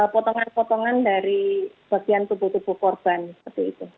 potongan potongan dari bagian tubuh tubuh korban seperti itu